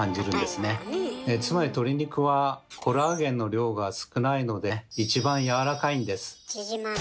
つまり鶏肉はコラーゲンの量が少ないので一番やわらかいんです。